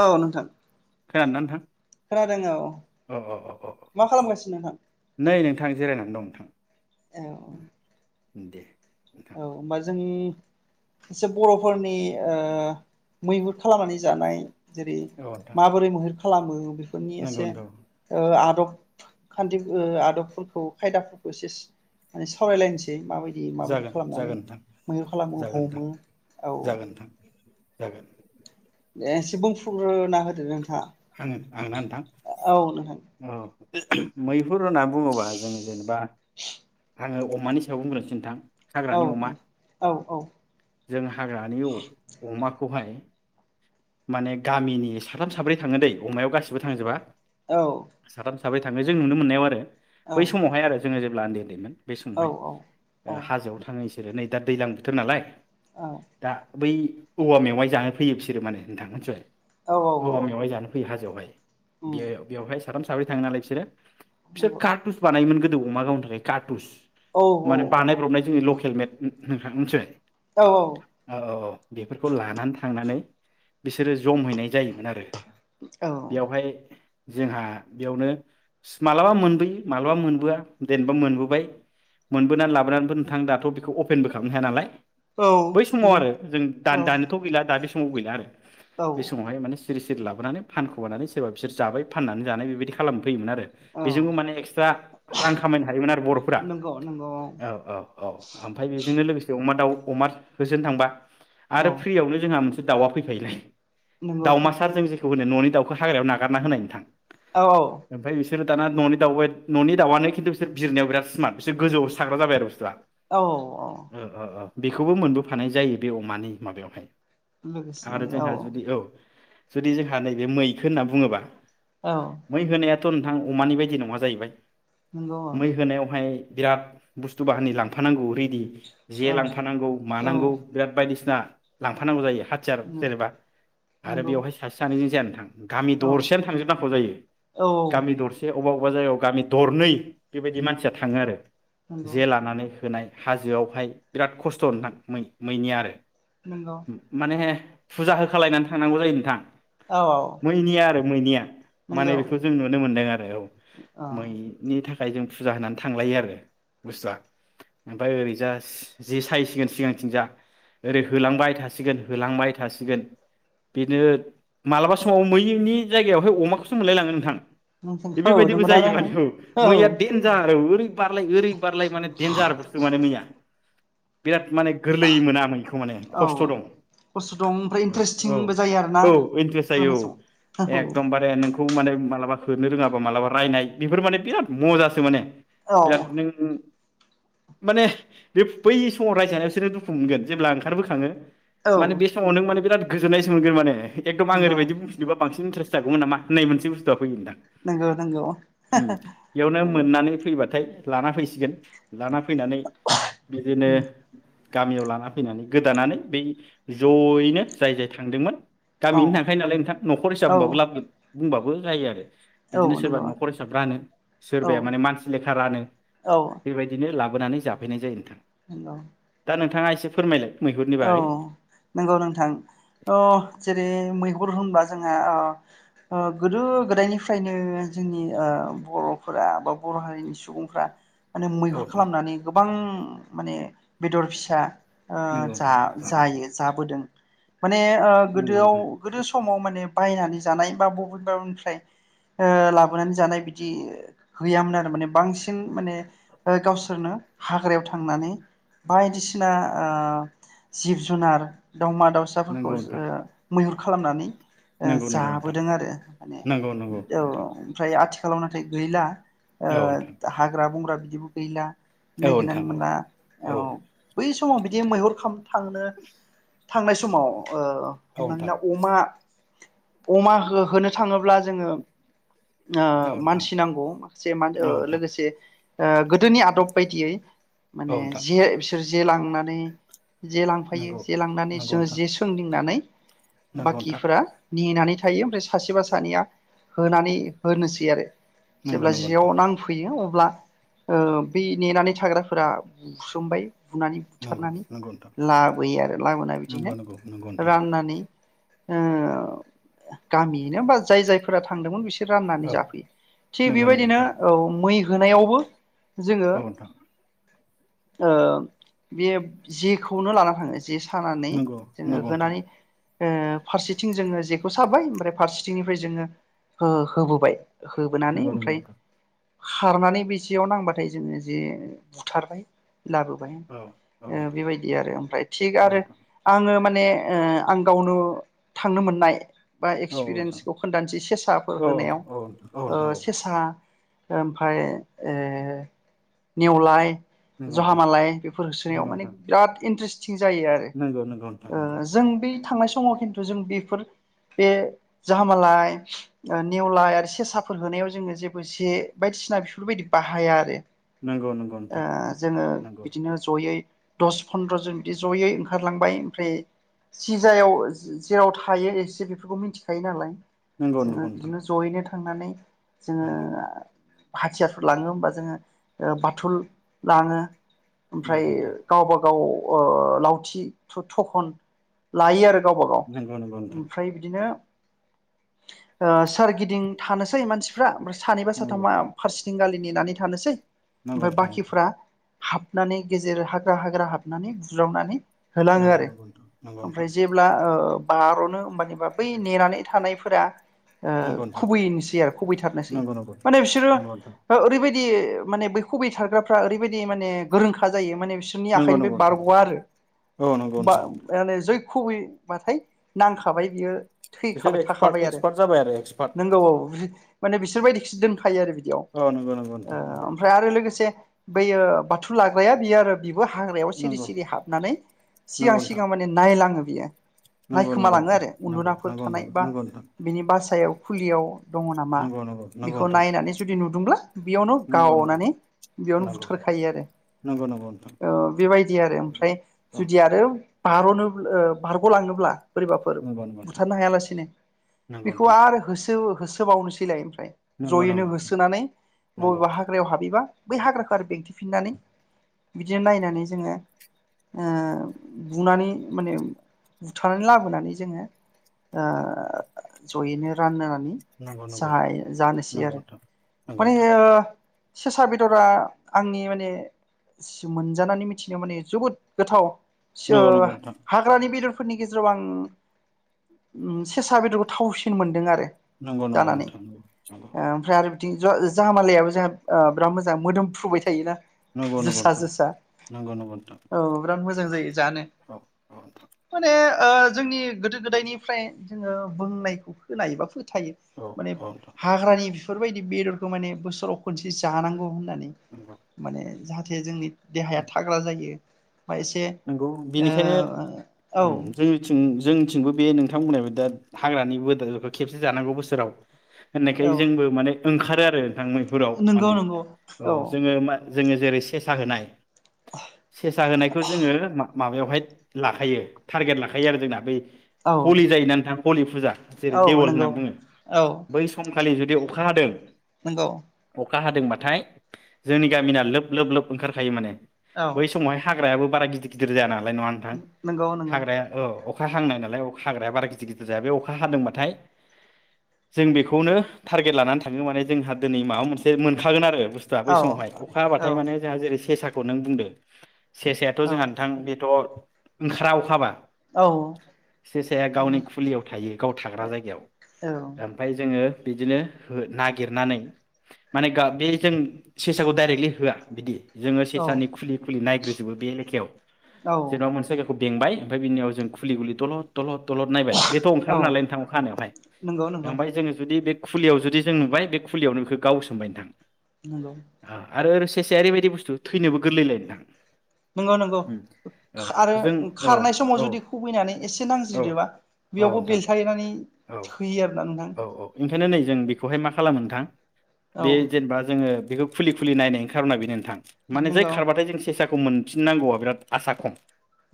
औ नोंथां। खोना दोंना नोंथां? खोनादों औ अ अ अ अ अ मा खालामगासिनो नोंथां? नै नोंथां जिरायनानै दं नोंथां। औ दे नोंथां औ होमबा जोंनि एसे बर'फोरनि ओ मैहुर खालामनानै जानाय जेरै औ नोंथां माबोरै मैहेर खालामो बेफोरनि नंगौ एसे नोंथां ओ आदब खान्थि ओ आदबफोरखौ खायदाफोरखौ एसेस माने सावरायलायनोसै मा बायदि मा बायदि जागोन नानै जागोन नोंथां मैहुर खालामो जागोन नोंथां हमो औ जागोन नोंथां जागोन। ए इसिबुंफुरलु ना होदो आङो आंना नोंथां नोंथाङा औ नोंथां औ मै हुर होनना बुङोबा जोंङो जेनेबा आङो अमानि सायाव बुंग्रोनसो नोंथां औ हाग्रानि अमा औ जों हाग्रानि अ अमा खौहाय माने गामिनि साथाम साब्रै थाङो दै अमायाव गासिबो थांजोबा। औ। साथाम साब्रै थाङो जों नुनो मोननायाव आरो औ बै समावहाय आरो जोङो जे ब्लान्दे दैमोन। बे औ समावहाय ओ औ हाजोआव थांओइस जेरो नै दा दैलां बोथोर नालाय दा बै औवा मेवाइ जानो फैयो बिसोरो माने नोंथां मोनथिबाय औ औवा औ मेवाय जानो फैयो हाज बेवहाय बे उम बेवहाय साथाम साब्रै थाङो नालाय बिसोरो बिसोर नंगौ कार्टुस बानायोमोन गोदो अमा गावनो थाखाय काटुस औ माने बानायब्रबनाय जोंनि लखे हेलमेट नोंथां मिथिबाय औ औ औ औ बेफोरखौ लानानै थांनानै बिसोरो जमहैनाय जायो आरो औ औ बेयावहाय जोंहा बेयावनो मालाबा मोनबोयो मालाबा मोन मोनबोआ देनबा लाबोबाय मोनबोनानै लाबोनानै नोंथां दाथ' बेखौ अपेनबो खालामनो हाया नालाय औ बै समाव नंगौ आरो जों दा औ दान दानोथ' गैला दा बे समाव समाव गैला आरो औ बे समावहाय माने सिरि सिरि लाबोनानै फानखुमानानै सोरबा बिसोर जाबाय फाननानै जानाय बेबायदि खालाम फैयोमोन आरो औ बेजोंबो माने एक्सट्रा रां खामायनो हायोमोन आरो फ्रा नंगौ नंगौ औ औ औ आमफ्राय बे जोंनो लोगोसे अमा दाउ अमा होसोनो थांबा आरो औ फ्रियावनो जोंहा मोनसे दाउआ फैफायोलाय नंगौ दावमासार जों जेखौ होनो न'नि दाउखौ हाग्रायाव नागारना होनाय नोंथां औ औ बिसोर दाना न'नि दाउबाय न'नि दाउआानो खिन्थु बिसोर बिजिरनायाव बिराद स्मारट बिसोर गोजौआवसो थाग्राजाबाय आरो बुसथुआ औ औ बेखौबो मोनबोफानाय जायो बे अमानि माबायावहाय आरो जोंहा जुदि औ जुदि जोंहा नैबे मैखो होनना बुङोबा औ मै होनाया थ दाथ' नोंथां अमानि बायदि नङा जाहैबाय नंगौ मै औ होनायावहाय बिराद बुस्थु बाहानि लांफानांगौ ओरै जे औ लांफानांगौ औ मानांगौ बिराद बायदिसिना लांफानांगौ जायो हाजार जेनेबा आरो नंगौ बेवहाय सासे सानैजों जाया नोंथां गामि औ दरसेयानो थांजोबनांगौ जायो औ गामि दरसे अबाव बबेबा जायगायाव गामि दरनै बेबायदि मानसिया थाङो आरो नंगौ जे लानानै होनाय हाजोआवहाय बिराद खस्थ' नोंथां मै मैनिया आरो नंगौ माने फुजा होखालायनानै थांनांगौ जायो नोंथां औ मैनिया आरो मैनिया माने नंगौ औ बेखौ जों नुनो मोनदों आरो औ औ मैनि था खायजों फुजा होनानै थांलायो आरो बुस्थुआ ओमफ्राय ओरैजा जे सायसिगोन सिगांथिं जा ओरै होलांबाय थासिगोन होलांबाय थासिगोन बिनो मालाबा समाव मैनि जायगायावहाय अमाखौसो मोनलायलाङो नोंथां बेबायदिबो नंगौना जायो माने औ मैया देनजार आरो ओरै बारलाय ओरै बारलाय माने देनजार बुस्थु माने मैया बिराद माने गोरलै मोना मैखौ माने खस्थ' औ दं खस्थ' दं ओमफ्राय औ इन्टारेस्टिंबो जायो आरोना औ इन्ट्रेस्ट जायो होनाय औ समाव एकदमबारे नों खौ माने मालाबा होनो रोङाबा मालाबा रायनाय बेफोर माने बिराद मजासो माने औ बिराद नों माने बे बै समाव रायजानायाव बिसोरो दुखु मोनगोन जेब्ला ओंखारबोखाङो माने औ बे समाव नों माने बिराद गोजोननायसो मोनगोन माने एकदम आं नंगौ रैबायदि बुंफिनोबा बांसिन इन्टेस्ट जागौमोन नामा मोनसे बुस्थुआ फैयो नोंथां नगौ नंगौ हा हा नों मोननानै फैबाय नाथाय लाना फैसिगोन लाना फैनानै बिदिनो उम गामियाव लाना फैनानै गोदानानै बै जयैनो जाय जाय थांदोंमोन औ गामिनि थांखायो नालाय नोंथां न'खर हिसाब औ होनबाबो लाब बुंबाबो जायो आरो औ बिदिनो सोरबा नंगौ न'खर औ हिसाब रानो सोरबाया औ मानसि लेखा रानो बेबायदिनो लाबोनानै जाफैनाय जायो नोंथां। नोंगौ दा नोंथाङा एसे फोरमायलाय मैहुरनि औ बागै नंगौ नोंथां अ जेरै मैगं गुर होनबा जोंहा गोदो गोदायनिफ्रायनो जोंनि बर'फोरा बा बर' हारिनि सुबुंफोरा माने औ मैहुर खालामनानै गोबां माने बेदर फिसा ओ नोंथां नंगौ जा नोंथां जायो जाबोदों। माने नंगौ गोदोआव गोदो समाव माने बायनानै जानाय बा बबेबाबनिफ्राय लाबोनानै जानाय बिदि गैयामोन आरो माने बांसिन माने गावसोरनो हाग्रायाव थांनानै बायदिसिना ओ। जिब-जुनार दाउमा दाउसाफोरखौ नोंथां मैुहुर खालामनानै ओ नंगौ नोंथां जाबोदों आरो माने नंगौ नंगौ औ नोंथां नंगौ नोंथां ओमफ्राय आथिखाल खालामोथाय गैला। औ नोंथां ओ हाग्रा-बंग्रा बिदिबो गैला औ नोंथां नायागिरनानै औ मोनला औ बै समाव बिदि मैहुर खाम थांनो थांनाय समाव औ हमनानै नोंथां ला अमा अमा हो होनोनो थाङोब्ला जोङो। औ नोंथां मानसि नांगौ माखासे औ नोंथां लोगोसे गोदोनि आदब बायदियै औ माने नोंथां जे बिसोर जे लांनानै नै जे लांफायो नंगौ जे लांनानै नंगौ जों नोंथां जे सोंदिंनानै नंगौ नोंथां बाखिफोरा नेनानै थायो ओमफ्राय सासेबा सानैया होनानै होनोसै आरो नंगौ जेब्ला नंगौ जियाव नोंथां नांफैयो अब्ला ओ बे नेनानै थाग्राफोरा बुसोमबाय बुनानै नंगौ बुथारनानै नंगौ नोंथां लाबोयो आरो लाबोना नंगौ बिदिनो नंगौ नंगौ नोंथां राननानै ओ गामियैनो बा जाय जायफोरा थांदोंमोन बिसोर राननानै औ जाफैयो थिग नंगौ नंगौ बेबायदिनो नोंथां औ मै होनायावबो जोङो औ नोंथां ओ बे जि खौनो लाना थाङो जे सानानै नंगौ नंगौ जोङो नोंथां होनानै ओ फारसेथिं जोङो जेखौ साबाय ओमफ्राय फारसेथिंनिफ्राय जोङो होबोबाय होबोनानै नंगौ नंगौ ओमफ्राय नोंथां खारनानै बेसेयाव नांबाथाय जोङो जे बुथारबाय लाबोबाय ओ औ औ बेबायदि बि आरो ओमफ्राय थिग आरो नोंथां आङो मा माने ओ आं गावनो थांनो मोननाय बा औ नोंथां एक्सपिरियेन्सखौ खोन्थानोसै सेसाफोर औ होनायाव औ ओ नोंथां औ सेसा ओमफाय ओ नेवलाय नोंथां औ जाहामालाय बेफोर होसोनायाव नंगौ माने नोंथां इनट्रेस जायो आरो नंगौ नोंथां नंगौ ओ जों बे थांनाय समाव खिन्थु जों बेफोर बे जाहामालाय ओ नेवलाय आरो सेसाफोर होनायाव जोङो जेबो जे बायदिसिना बेफोरबायदि बाहाया आरो नंगौ नोंथां ओ जोङो नंगौ बिदिनो जयै दस फन्द्र' जन बिदि जयै ओंखारलांबाय ओमफ्राय सिजायाव जेराव थायो एसे बेफोरखौ मिथिखायो नालाय नंगौ नंगौ जोङो नोंथां बिदिनो जयैनो थांनानै जोङो नंगौ हाथियारफोर लाङो होमबा जोङो बाथल लाङो ओमफ्राय नंगौ गावबा गाव ओ लावथि बा थखन लायो आरो गावबागाव नंगौ नोंथां ओमफ्राय बिदिनो ओ सोरगिदिं थानोसै मानसिफ्रा ओमफ्राय सानैबा नंगौ साथामा फारसेथिं गालि नेनानै थानोसै ओमफाय नंगौ नोंथां नंगौ नोंथां बाखिफ्रा हाबनानै गेजेर हा ग्रा हाग्रा हाबनानै बुज्रावनानै होलाङो नंगौ आरो नंगौ नोंथां नंगौ नंगौ नोंथां ओमफ्राय जेब्ला ओ बार'नो होमबानिबा बै नेनानै थानायफोरा ओ नंगौ नोंथां खुबैयनोसै आरो खुबैथारनोसै माने बिसोरो नंगौ नोंथां नंगौ नोंथां ओ ओरैबायद दि माने बै खुबैथारग्राफोरा ओरैबायदि गोरोंखा जायो माने बिस बिनि नंगौ आखाइनिफ्राय नंगौ नोंथां बारग'वा आरो औ नंगौ बा नोंथां आनो जै खुबैबखथाय नांखाबाय बियो। बिसोर थैखाबाय एक्सपार्ट थाखाबाय आरो एक्सपार्ट जाबाय आरो एक्सपार्ट नोंगौ औ औ। माने बिसोरबायदि खिसो जों खायो आरो बिदियाव ओ औ नंगौ नंगौ नोंथां नंगौ ओमफ्राय आरो लोगोसे बैयो बाथु लाग्राया बियो आरो। बिबो हाग्रायाव सिरि सिरि हाबनानै सिगां नंगौ नंगौ सिगां माने नायलाङो। बिया नायखोमालाङो नोंथां आरो नंगौ उन्दुनाफोर नंगौ थानाय बा नोंथां बिनि बासायाव फुलियाव दङ नामा नंगौ नंगौ नंगौ बेखौ नायनानै जुदि नुदोंब्ला बेयावनो नंगौ नोंथां गावनानै बेयावनो नंगौ बुथारखायो आरो। नंगौ नंगौ ओ बेबायदि आरो ओमफ्राय जुदि आरो बारनो ओ बारग' लांङोब्ला बोरैबाफोर नोंथां बुथारनो हायालासिनो नंगौ बेखौ आरो होसो होस सोबावनोसैलाय ओम जयैनो नंगौ होसोनानै नंगौ बबेबा हाग्रायाव हाबैबा बै हाग्राखो आरो बेंथिफिननानै बिदिनो नायनानै जोङो ओ बुनानै माने बुथारनानै लाबोनानै जोङो ओ जयैनो रानो नि नंगौ नंगौ नोंथां स्राय जानोसै नंगौ औ आरो माने ओ सेसा बेदरा आंनि माने सि मोनजानानै मिथिनाय माने जोबोद गोथाव सो नंगौ नंगौ नोंथां हाग्रानि बेदर फोरनि गेजेराव आं उम सेसा बेदरखौ थावसिन मोनदों आरो। नंगौ नंगौ नोंथां नंगौ। थिं जा जामालायाबो जोंहा ओ बिराद मोजां मोदोम फ्रुबाय थायोना नंगौ नोंथां नंगौ नोंथां नंगौ नोंथां नंगौ नोंथां नंगौ नोंथां नंगौ नोंथां जोसा जोसा नंगौ नंगौ नोंथां औ बिराद मोजां जायो जानो औ औ नोंथां माने ओ जोंनि गोदो गोदायनिफ्राय जोङो बुंनायखौ होनाय एबा थायो औ माने औ नोंथां हाग्रानि बेफोरबायदि बेदरखौ माने बोसोराव खनसे जानांगौ नानै नंगौ माने जाहाथे जोंनि देहाया थाग्रा जायो बा एसे नंगौ बेनिखायनो ओ जोंनिथिं जोंथिंबो बे नोंथांमोन बुंनाय दा हाग्रानि बोदरखौ खेबसे जानांगौ बोसोराव होननायखाय औ जोंबो माने ओंखारो आरो थां मैहुराव नंगौ माने नंगौ औ जोङो मा जोङो जेरै सेसा होनाय सेसा होनायखौ जोङो [unintelligible] माबायावहाय लाखायो थारगेट लाखायो आरो जोंना बै औ हलि जायोना नोंथाङा हलि फुजा जेरै औ देवल होनना नंगौ बुङो बै समखालि जों बे अखा हादों नोंगौ अखा हादोंबाथाय जोंनि गामिना लोब लोब लोब ओंखारखायो माने औ बै समावहाय हाग हाग्रायाबो बारा गिदिर गिदिर जायाना नङा नोंथां नंगौ नंगौ हाग्राया ओ अखा हांनाय नालाय अखा हाग्राया बारा गिदिर गिदिर जाया बे अखा हादोंबाथाय जों बेखौनो थारगेट लानानै थाङो माने जोंहा दिनै माबा मोनसे मोनखागोन आरो बुस्थुआ बै औ समावाय अखा औ हाथाय माने जोंहा जेरै सेसाखौ नों बुंदो सेरसायाथ' औ जोंहा नोंथां बेथ' ओंखारा अखाहाबा औ सेसाया माने गावनि खुलियाव थायो गाव थाग्रा जायगायाव औ ओमफाय जोङो बिदिनो नागिरनानै माने गा बे जों सेसाखौ डाइरेक्टलि होआ बिदि जोङो औ सेसानि खुलि खुलि नाय बे लेखायाव औ जेनेबा मोनसे जायगाखौ बेंबाय ओमफ्राय बिनिनयाव जों खुलि गुलि थलद थलद दलद नायबाय बेथ' ओंखारो औ नालाय नोंथां अखा हानायावहाय नंगौ नंगौ ओमफ्राय जोङो जुदि बे खुलियाव जुदि जों नुबाय बे खुलियावनो बेखौ गावसोमबाय नंगौ नोंथां। आरो सेसाया ओरैबायदि बुस्थु थैनोबो गोरलैलाय नोंथां। नंगौ नंगौ उम औ आरो जों औ खारनाय समाव जुदि खुबैनानै एसे औ नांज्रिदोबा औ बेयावबो नोंथां बेलथायनानै थोयो आरोना नोंथां। बेंखायनो नै जों बेखौहाय मा खालामो नोंथां। औ बे जेनेबा जोङो बेखौ खुलि खुलि नायनायनि खारना बेनो नोंथां। माने जाय नंगौ खारबाथाय जों सेसा मोन फिननांगौआ बिराद आसा खम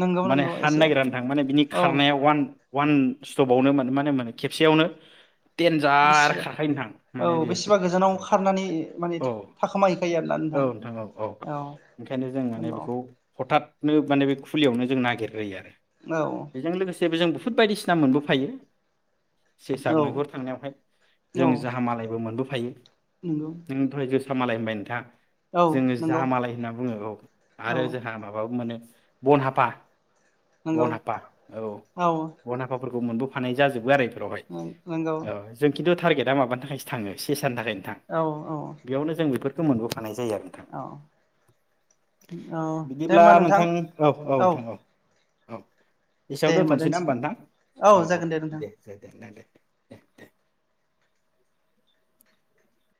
नंगौ माने नंगौ हानो एसे नागिरनानै नोंथां माने बिनि औ खारनाया वान अन स्टपावनो मा होने मोनो खेबसेयावनो देनजार बेसेबा खारखायो नोंथां औ माने बेसेबा गोजानाव बेयो खारनानै माने औ थाखामाहैैखायो आरोना नोंथां औ नंगौ। हथाथनो माने बे खुलियावनो जों नागिरग्रोयो आरो औ। जेबो जों बुहुत बायदिसिना मोनबोफायो। सेसा मैहुर औ थांनायावहाय जों औ जाहा मालायबो मोनबो फाइ नंगौ नों दहाय जो फ्रा मालाय होनबाय नोंथां। औ जोङो नंगौ दाहामालाय होनना बुङो औ‌। औ आरो जोंहा माबा मोनो बन हाफा नंगौ बन हफा औ बना हाफाफोरखौ मोनबोफानाय जाजोबो आरो नंगौ [unintelligible] औ जों खिन्थु टारगेट माबानि थाखासो थाङो सेसा सानि थाखाय नोंथां औ औ बेयावनो जों बेफोर मोनबोफानाय जायो। जायो आरो नोंथां औ औ दे बिदिब्ला होमबा नोंथां औ औ नोंथां औ औ एसेयाव दोनथ'नोसै ना होमबा नोंथां औ औ दे दे नोंथां दे